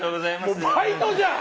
もうバイトじゃん！